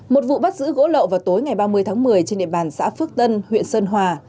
một vụ bắt giữ gỗ lậu vào tối ngày ba mươi tháng một mươi trên địa bàn xã phước tân huyện sơn hòa